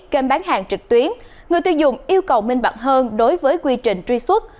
kênh bán hàng trực tuyến người tiêu dùng yêu cầu minh bạch hơn đối với quy trình truy xuất